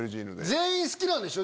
全員好きなんでしょ？